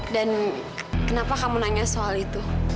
dan kenapa kamu nanya soal itu